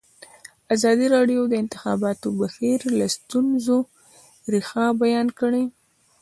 ازادي راډیو د د انتخاباتو بهیر د ستونزو رېښه بیان کړې.